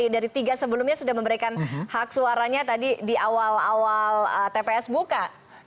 dari tiga sebelumnya sudah memberikan hak suaranya tadi di awal awal tps buka